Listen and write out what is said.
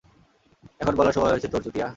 এখন বলার সময় হয়েছে তোর, চুতিয়া?